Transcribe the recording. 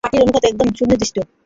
মাটির অনুপাত একদম সুনির্দিষ্ট।